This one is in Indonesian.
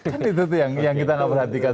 kan itu tuh yang kita nggak perhatikan